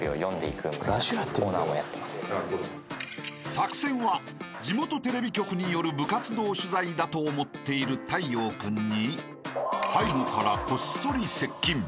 ［作戦は地元テレビ局による部活動取材だと思っている太陽君に背後からこっそり接近］